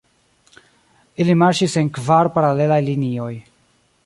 Ili marŝis en kvar paralelaj linioj.